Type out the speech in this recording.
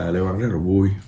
lê quang rất là vui